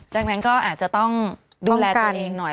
ดังนั้นก็อาจจะต้องดูแลตัวเองหน่อย